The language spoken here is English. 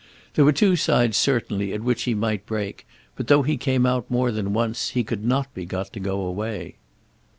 There were two sides certainly at which he might break, but though he came out more than once he could not be got to go away.